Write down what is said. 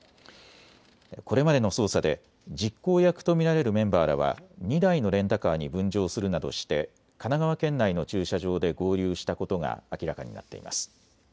これまでの捜査で実行役と見られるメンバーらは２台のレンタカーに分乗するなどして神奈川県内の駐車場で合流したことが明らかになっています。